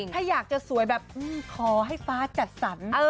ถ้าอยากจะสวยแบบขอให้ฟ้าจัดสรร